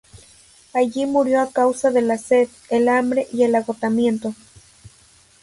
Allí murió a causa de la sed, el hambre y el agotamiento.